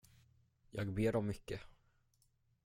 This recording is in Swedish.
Jag ber om mycket.